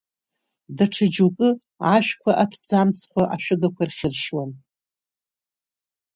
Даҽа џьоукы ашәқәа, аҭӡамцқәа ашәыгақәа рхьыршьуан.